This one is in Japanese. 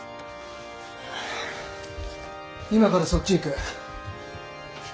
今からそっち行く。